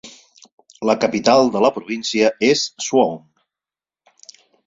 La capital de la província és Suwon.